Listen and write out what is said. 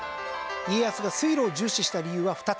家康が水路を重視した理由は２つ。